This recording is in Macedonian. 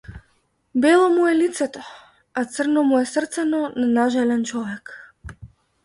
Бело му е лицето, а црно му е срцено на нажален човек.